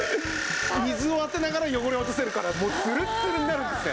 水を当てながら汚れを落とせるからもうツルッツルになるんですね。